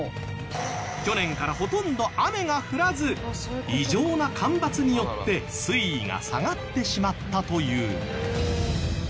去年からほとんど雨が降らず異常な干ばつによって水位が下がってしまったという。